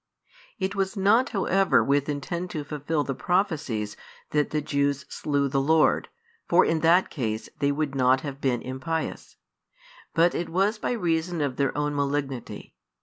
It was not however with intent to fulfil the prophecies that the Jews slew the Lord, for in that case they would |160 not have been impious; but it was by reason of their own malignity.